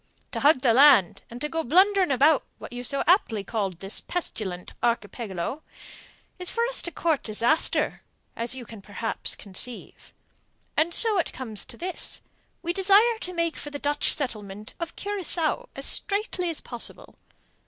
To hug the land, and go blundering about what you so aptly call this pestilent archipelago, is for us to court disaster, as you can perhaps conceive. And so it comes to this: We desire to make for the Dutch settlement of Curacao as straightly as possible.